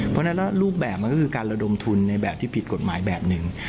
เพราะฉะนั้นแล้วรูปแบบมันก็คือการระดมทุนในแบบที่ผิดกฎหมายแบบหนึ่ง